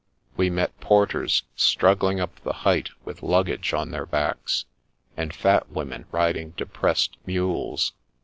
We met porters struggling up the height with luggage on their backs, and fat women riding depressed mules.